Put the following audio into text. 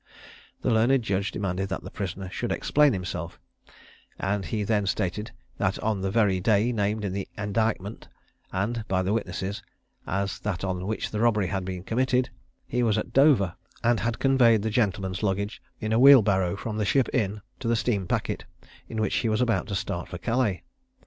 The learned judge demanded that the prisoner should explain himself; and he then stated that on the very day named in the indictment, and by the witnesses, as that on which the robbery had been committed, he was at Dover, and had conveyed the gentleman's luggage in a wheelbarrow from the Ship Inn to the steam packet, in which he was about to start for Calais.